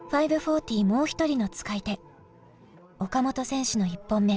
もう一人の使い手岡本選手の１本目。